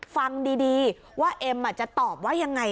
ฟังดีว่าเอ็มจะตอบว่ายังไง